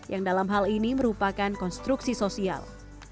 yang dalam hal ini merupakan konstruksi sosial